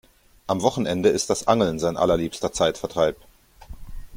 Am Wochenende ist das Angeln sein allerliebster Zeitvertreib.